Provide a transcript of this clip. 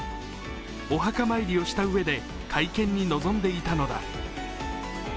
お墓参りをしたうえで会見に臨んでいたのだ。